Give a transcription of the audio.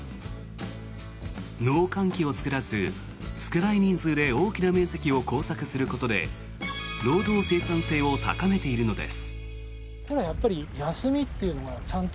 農閑期を作らず少ない人数で大きな面積を耕作することで労働生産性を高めているのです。